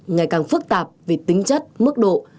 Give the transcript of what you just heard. ngày càng phức tạp vì tính chất mức độ